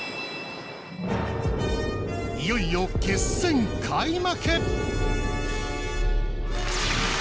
いよいよ決戦開幕。